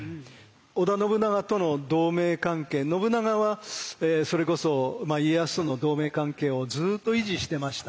織田信長との同盟関係信長はそれこそ家康との同盟関係をずっと維持してました。